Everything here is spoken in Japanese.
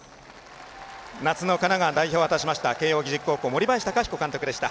夏の神奈川代表が決定しました慶応義塾高校森林貴彦監督でした。